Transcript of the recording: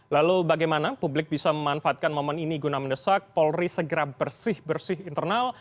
lalu bagaimana publik bisa memanfaatkan momen ini guna mendesak polri segera bersih bersih internal